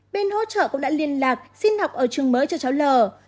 bên hỗ trợ cũng đã liên lạc xin học ở trường mới cho cháu l